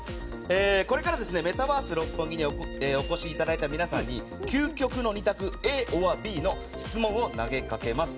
これからメタバース六本木にお越しいただいた皆さんに究極の二択、ＡｏｒＢの質問を投げかけます。